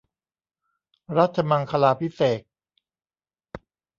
รัชมังคลาภิเษก